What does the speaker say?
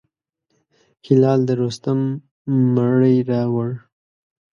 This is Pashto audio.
هلال د رستم مړی راووړ.